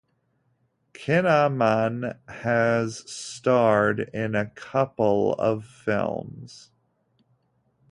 Kinnaman has starred in a couple of films.